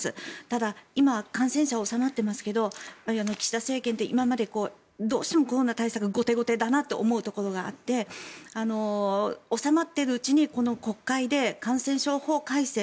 ただ、今感染者は収まってますけど岸田政権で今までどうしてもコロナ対策が後手後手だと思うところがあって収まっているうちにこの国会で感染症法改正。